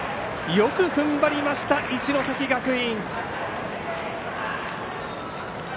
よく踏ん張りました、一関学院。